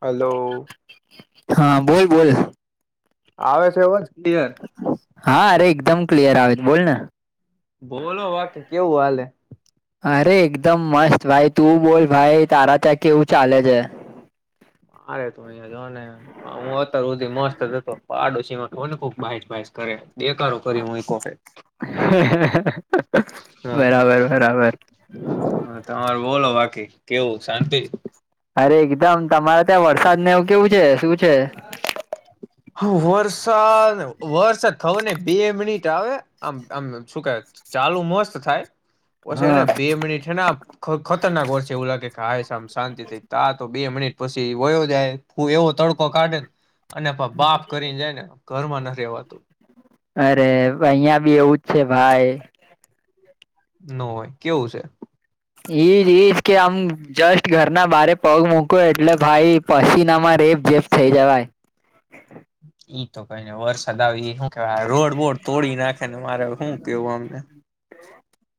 Hello. હ બોલ બોલ. આવે છે અવાજ [unintelligible] હા અરે એકદમ ક્લિયર આવે બોલ ને બોલો વાકેમ કેઉ હાલે અરે એકદમ મસ્ત ભાઈ તું બોલ ભાઈ તારે તા કેવું ચાલે છે. [inaudible] પાડો સીમા [inaudible] બરાબર બરાબર હ તમારે બોલો બાકી કેવું શાંતિ અરે એકદમ તમારા ત્યાં વરસાદને એવું કેવું છે શું છે. હ વરસાદ વરસાદ થવાની બે મિનિ આવે આમ આમ શું કેવાય ચાલુ મસ્ત થાય. પછી હા હેને બે મિનિટને ખતરનાક વરસે એવું લાગે કે હાય હવે આમ શાંતી થઈ તા તો બે મિનિટ પછી વયો જાય ઉ એવો તડકો કાઢેને અને પ બાપ કરીને જાય ને ઘરમાં નથ રેવાતું અરે અહીંયા બી એવું જ છે ભાઈ ન હોય કેવું છે. ઈજ ઈજ કે આમ જસ્ટ ઘરના બારે પગ મૂકુ એટલે ભાઈ પછીના માં રે રેબ જેબ થઇ જવાય. ઈ તો કઈ નઈ વરસાદ આવી હુ રોડ બોડ તોડી નાખે ને મારે હું કેવું આમને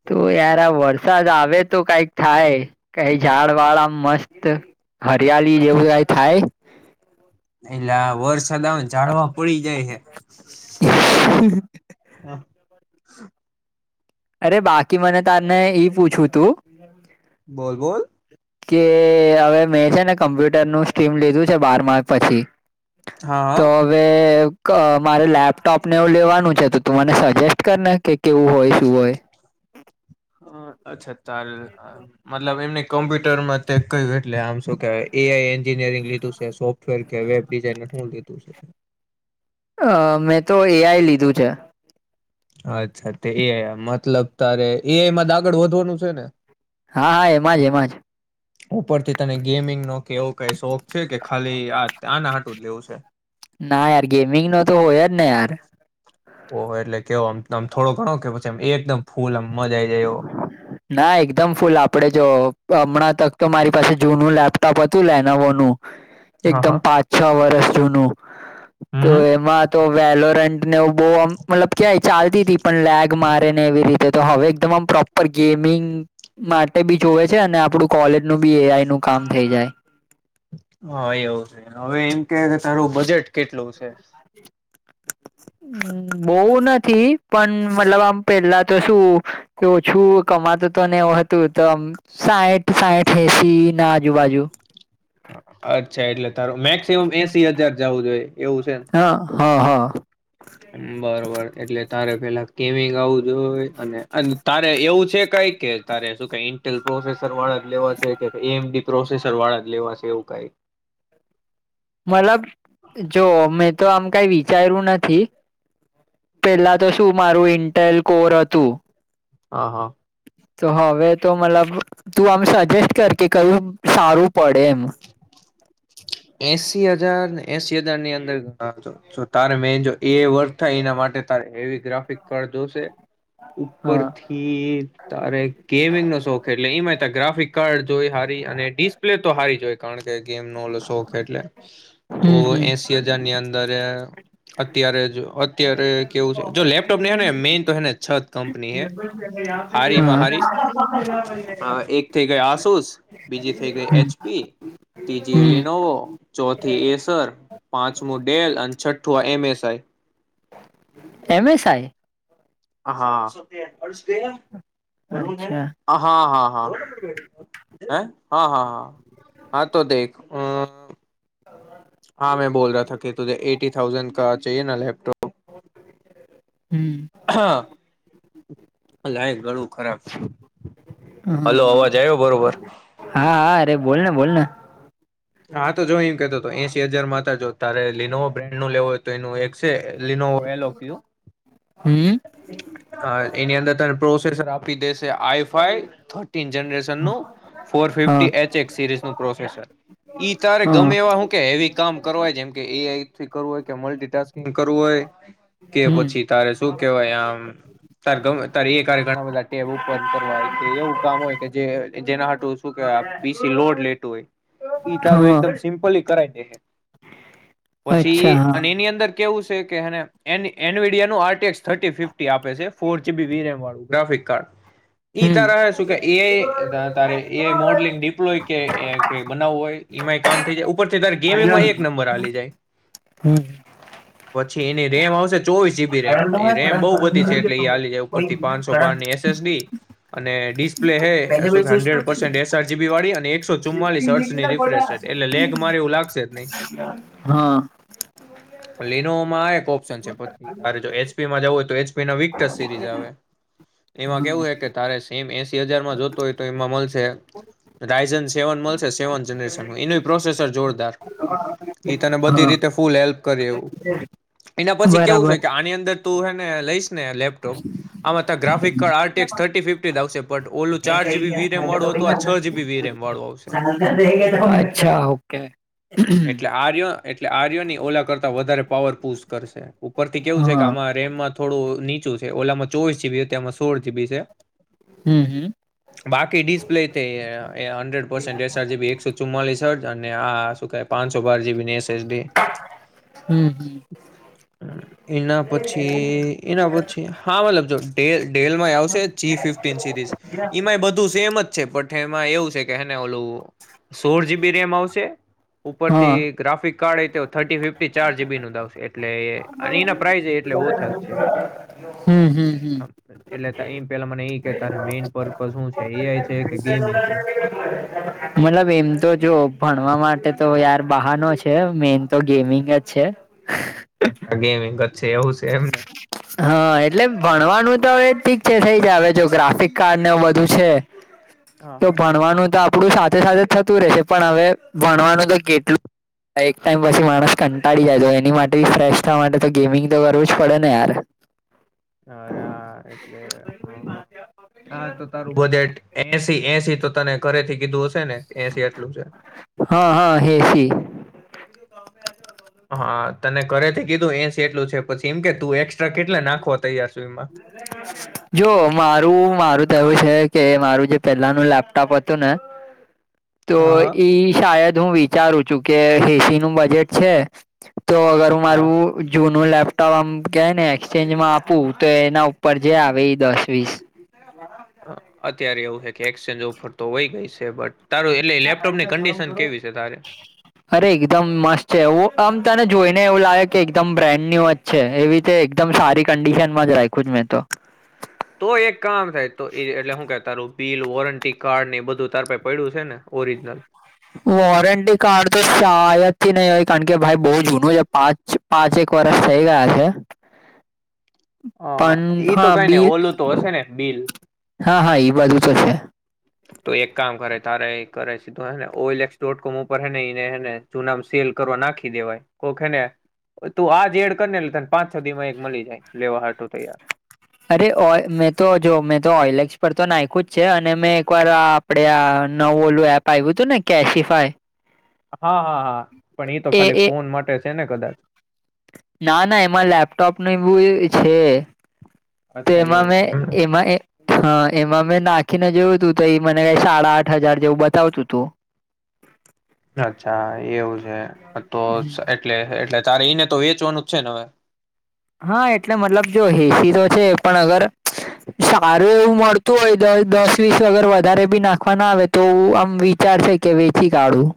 તો યાર આ વરસાદ આવે તો કઈક થાય કઈ ઝાડ વાળ આમ મસ્ત હરિયાલી જેવું કઈ થાય એલા વરસાદ આવેને જાડવા પડી જાય હે અરે બાકી મને તને ઈ પૂછવુ તું બોલ બોલ કે અવે મેં છે ને કમ્પ્યુટર નું સ્ટ્રીમ લીધું છે બારમા પછી તો હા અવે ક મારે લેપટોપને એવું લેવાનું છે તો તું મને સજેસ્ટ કર ને કે કેવું હોય શું હોય હ અચ્છા [inaudible] મતલબ એમને કોમ્પ્યુટર માં [inaudible] એટલે આમ શું કેવાય એ આઈ એન્જિનિયરિંગ લીધું છે સોફ્ટવેર કે વેબ ડિઝાઇનંગ હું લીધું છે અ મેં તો એ આઈ લીધું છે અચ્છા તે એ આઈ મતલબ તારે એ આઈ માં આગળ વધવાનું છે ને હા હા એમાં જ એમાં જ ઉપરથી તને ગેમિંગનો કે એવો કઈ શોખ છે કે ખાલી આ આના હાટું જ લેવું છે ના યાર ગેમિંગ નો તો હોય જ ને યાર ઓ એટલે કેવોમમ થોડો ગણો કે પછીમ એકદમ ફૂલ મજા આઈ જાય એવો ના એકદમ ફૂલ આપડે જો હમણાં તક તો મારી પાસે જૂનું લેપટોપ હતું લેનોવોનું હા એકદમ હા પાંચ છ વર્ષ જૂનું તો હમ એમાં તો વેલોરન્ટને બો અમ મતલબ ક્યાંય ચાલતી તી પન લેગ મારે ને એવી રીતે તો હવે તમામ પ્રોપર ગેમિંગ માટે બી જોવે છે અને આપણું કોલેજનું બી એ આઈ નું કામ થઈ જાય [inaudible] હા એવું છે હવે એમ કે કે તારું બજેટ કેટલું છે [inaudible] હ બો નથી પણ મતલબ આમ પેલા તો શું કે ઓછું કમા [unintelligible] તો આમ સાઈઠ સાઈઠ એસી ના આજુબાજુ અચ્છા એટલે તારું મેક્સિમમ એસી હજાર જવું જોઈએ એવું છે, ને હા હા હા બરોબર એટલે તારે પેલા કેમ ગાવું જોઈએ. અને અને તારે એવું છે, કંઈ કે તારે શું ક ઇન્ટેલ પ્રોસેસ વાળા જ લેવા છે, કે એમડી પ્રોસેસર વાળા જ લેવા છે એવું કંઈ મતલબ જો મેં તો આમ કઈ વિચાર્યું નથી. પેલા તો શું મારું ઇન્ટલ કોર હતું. હા હા તો હવે તો મતલબ તું આમ સજેસ્ટ કર કે કયું સારું પડે એમ [unintelligible] [inaudible] એસી હજાર ને એસી હજાર ની અંદરણો તારે મેન જો એ વર્ક થાય, એના માટે એવી ગ્રાફિક કાર્ડ જોશે. હા ઉપરથી તારે ગેમિંગ ન શોખ એટલે એમાં ગ્રાફિક કાર્ડ જોઈએ. અને ડિસ્પ્લે તો હારી જ હોય. કારણ કે ગેમ નો ઓ શોખ એટલે તો હમ હમ એસી હજાર ની અંદર અત્યારે જ અત્યારે કેવું છે, જો લેપટોપ હે ને મેન તો હે ને છત કંપની હારી માં હા હારી હા એક થઇ ગઈ આસુસ બીજી થઇ ગઈ એચપી ત્રીજી હમ લિનોવો ચોથી થી એસર પાંચમું ડેલ અને છઠ્ઠુ એમએસઆઈ એમસાઈ હા હા હા, હા, અચ્છા હા, હે, હા, હા, હા. હા તો દેખ હું. હા મેં બોલાથા રહા કે ત એટી થાઉઝન્ડ ચાએ ના લેપટોપ હમ હા લાયક ઘણું ખરાબ છે. હલો હા અવાજ આવ્યો બરોબર હા હા અરે બોલને બોલને હા તો જોય એ કેતો એસી હજાર માં હતા જો તારે લીનોવા બ્રાન્ડ નું લેવો હોય તો એનું એક છે લિનોવા એલોકયો હમ એની અંદર તારે. પ્રોસેસર આપી દેશે આઈફાઈ થાય. રેન હા ફર સ ન પ્રોસર [inaudible] ઈ તારે હા ગમે એવા હું કે એવી. કામ કરવાય જેમ કે એ આઈથી કરવું હોય કે મલ્ટિટાસ્કિંગ કરવું હોય કે હમ પછી તારે શું કેવાય આમ. તારે એ ઘણા બધા ટેબ ઉપર કરવા હોય કે એવું કામ હોય કે જે જેના હાટું શું કેહેવાય. પીસી લોડ લેતું હોય ઈ તારું હા એકદમ સિમ્પલી કરાવ દે. અચ્છા પછી હા અને એની અંદર કેવું છે. આ થટી ફીફટી આપે છે, ફોર જીબીબી એમ વાળું ગ્રાફિક કાર્ડ. ઈ હમ તારા હ શું કે એ તારે એઈ મોડલિંગ ડિપ્લો કે બનાવું હોય એમાં કામ થઈ જાય. ઉપરથી ત ગેમિંગમાં એક નંબર આવી જાય હમ પછી એની રેમ આવશે. ચોવીસ જી રેમ રેમ બહુ બધી છે, એટલે એ ચાલી જાય ઉપર થી પાંચસો બારની એસ, એસ, ડી અને ડિસ્ક. હન્ડ્રેડ પર સેન [unintelligible] એસઆરજીબી વા અને એકસો ચુમ્લીસ હર્ની ર એટલે લેગ મારી તો લાગશે જ નહીં. હા લિનોવામાં આ એક ઓપ્શન છે. પછી તારે જો એચ. એમાં જ હો તો એચપી વિક સિરીઝ આવે. એમાં કેવું હ કે તારે સમ એસી હજારમાં જોતો હોય તો એમાં મળશે. રાયઝન સેવન મળશે સેવન જનરેશન એનું પ્રોસેસર જોરદાર ઈ તને બધી હા રીતે ફૂલ હેલ્પ કરી એવું એના પછી કેવું બરાબર છે કે આની અંદર તું હે ને લઈ ને લેપટોપ આમાં ગ્રાફિક આટીએક્સ થર્ટી ફિફટી આવશે બટ ઓલું ચાર જીબી વી રેમ વાળું હતું આ છ જીબી વી રેમ વાળું આવશે અચ્છા ઓકે હા એટલે આરય એટલે આર્યો ની ઓલા કરતા વધારે પાવર પૂસ કરશે ઉપર થી કેવું છે કે આમાં રેમમાં થોડું નીચું છે ઓલામાં ચોવીસ જીબી તેમાં સોળ જીબી છે હમ હમ બાકી ડિસ્પ્લે થઈ એ અ હન્ડ્રેડ પર્સેન્ટ એસઆર જીબી એકસો ચુમ્માલીસઅડ અને આ શું કે પાનસો બાર જીબી વીએસ એચ ડી હમ એના છે એના પાછી હાવ લખજો ટે ડેલમાંય આવશે જી ફિફ્ટન સિરીઝ ઈમાંય બધું સેમ જ છે પઠે એમાં એવું છે કે હેને ઓલું સોળ જીબી રેમ આવશે હા ઉપરથી ગ્રાફિક કાર્ડ તો થર્ટી ફિફ્ટી ચાર જીબી નો આવશે એટલે અને એના પ્રાઈઝ એ હમ હમ હમ એટલે એ પેલા મને ઈ કે ત મેઈન પર્પસ હું છે એઆઈ છે કે ગેમિંગ [unintelligible] મતલબ એમ તો જો ભણવા માટે તો યાર બહાનો છે મેન તો ગેમિંગ જ છે ગેમિંગ ક હા એટલે ભણવાનું તો હવે થી છે ઈ છે જો ગ્રાફિક કાર્ડ ને બધું છે હા તો હા ભણવાનું તો આપડું સાથે સાથે થતું રહેશે પણ હવે ભણવાનું તો કેટલું એક ટાઈમ પછી માણસ કંટાળી જાય તો એની માટે ફ્રેશ થવા માટે તો ગેમિંગ તો કરવું જ પડે ને યાર અરે હા એટલે હમ હ હા તો તારું બજેટ એસી એસી તો તને ઘરે થી કીધું હશે ને એસી એટલું છે હા હા હેસી હા તને ઘરેથી કીધું એસી એટલું છે પછી એમ કે તું એ [unintelligible] જો મારું મારું તો એવું છે કે મારું જે પેલાનું લેપટોપ હતું ને તો હા હા ઈ શાયદ હું વિચારું જો કે એસી નું બજેટ છે તો અગર મારું હા જૂનું લેપ આમ કે ને એક્સચેન્જ માં આપું તો એના ઉપર જે આવે એ દસ વીસ અત્યારે એવું હ કે એક્સચેન્જ ઓફર તો વઈગી છે બટ તારું એટલે લેપટોપ ની કંડિશન કેવી છે તારે અરે એકદમ મસ્ત છે એવું આમ તને જોઈને એવું લાગે કે એકદમ બ્રેન્ડ ન્યુ જ છે એવી રીતે એકદમ સારી કન્ડિશનમાં જ રાયખું છે મેં તો તો એક કામ થાય તો એટલે શું કે તારું બિલ વોરંટી કાર્ડ ને એ બધું તાર પાય પડ્યું છે ને ઓરિજિનલ વોરંટી કાર્ડ તો શાલથી નહી હોય કારણ કે ભાઈ બહ જૂનું છે પાંચ પાંચ એક એક વરષ થઈ ગયા છે હ પણ ઈ તો હા કઈ ને બિલ ઓલું તો હશે ને બિલ હા હા ઈ બધુ તો છે તો એક કામ કરે તારે એ કરે છે તોને ઓએલેક્સ ડોટ કોમ ઉપર હેને ઈને હેને જૂનામાં સેલ કરવા નાખી દેવાય ઓકે ને તું આજ એડ કરીને લેતાને પાંચ સદીમાં એક મળી જાય લેવા હટું તૈયાર અરે ઓર મેં તો જો મેં તો ઓઇલક્સ પર તો નાઇખું જ છે અને મેં એક વાર આપડે આ નવ ઓલું એપ આવ્યું હતું ને કેશિફાઈ હા હા હા પણ એ તો ખાલી ફોન માટે છે ને કદાચ ના ના એમાં લેપટોપને એવું છે તો અચ્છા એમાં એવું મેં છે. એમાં એ હા એમાં મેં નાખીને જોવું તું તો એ મને કઈ સાડા આઠ હજાર જેવું બતાવતું તું અચ્છા એવું છે તો એટલે એટલે તારે એને તો એચવાનું જ છે ને હવે હા એટલે મતલબ જો હેસી તો છે પણ અગર સારું એવું મળતું હોય દસ વીસ વગર વધારે બી નાખવા ના આવે તો આમ વિચાર કે વેચી કાઢું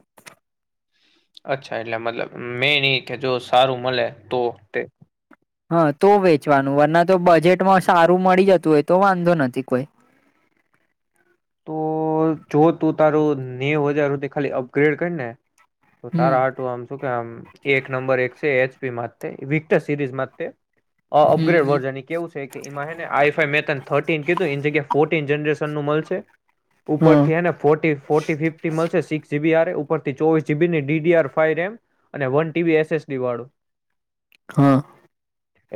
હ અચ્છા એટલે મતલબ મેન એઈ કે જો સારું મળે તો તે હા તો વેચવાનું વરના તો બજેટમાં સારું મળી જતું હોય તો વાંધો નથી કોઈ [inaudible] તો જો તું તારું નેવ હજારુંતે ખાલી અપગ્રેડ કરી ને તો હમ તારા આટું આમ શું કે આમ એક નંબર એક છે એચપીમાં વિક્ટર સિરીઝ અપગ્રેડ હમ વર્ઝન એ કેવ છે કે એમાંને આઈફાઈ મેન થર્ટીન કીધું એની જગ્યા ફોર્ટીન જનરેશન ું મળશે હમ ઉપરથીને ફો ફોર્ ફિફ મળશે સિક્સ જીબી ઉપર થી ચોવીસ જીબીની ડીડીઆર ફ રમ અને વન ટીબી એસસડી વાળું હમ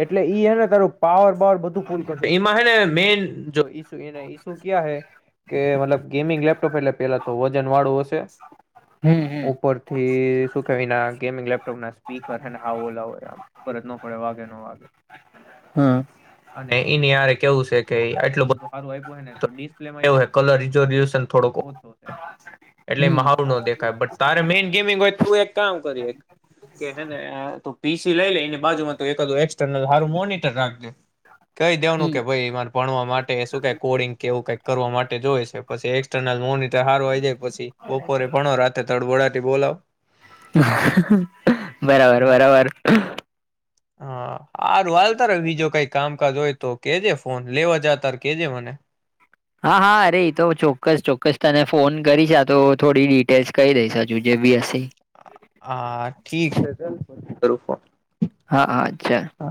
એટલે ઈ હેને તારું પાવર પાવર બધું ફૂલ કરશે એમાં હે ને મેન જો ઇશ એ ઇશુ કયા હૈ કે મતલબ ગેમિંગ લેપટોપ એટલે પેલા તો વજન વાળું હશે હમ હમ ઉપરથી ક ના ગેમિંગ લેપટોપ ના સ્પીકર અનેને હા ઓોલા હોય આમ ખબર જ ન પડે વાગે ન વાગે હમ અને એનીયરે કેવું છે કે આટલું બધું સારું આપ્યું હો ને તો ડિસ્પ્લે માં એવું કલર રીઝર્ને થોક ઓછો એટલે મહાડ ન દેખાય બટ તારે મેન ગેમિંગ હોય થું એક કામ કરી એક કે હે ને તું પીસી લઈ લે એની બાજુમાં ત એકું એસર્નલ સારું મોનીટર રાખ દે કહી દેવાનું હમ કે ભાઈરે ભણવા માટે શું ક કોડિંગ કે એવું કઈક કરવા માટે જોઈ છે પછી એક્સર્નલ મોનિટર હારવાઈ જાય પછી બપોરે ભણો રાતે તડ બોળટી બોલાવ બરાબર બરાબર આ હારું વાલ તાર બીજો કઈ કામકાજ હોય તો કેજે ફોન લેવા જ તાર કેજે મને હા હા અરે તો ચોક્કસ ચોક્કસ તને ફોન કરીશ તો થોડી ડિટેલ્સ કહી દઈશ હજુ જે બી હશે હા ઠીક છે ચાલ ફન કરું ફોન હા હા્ છે હા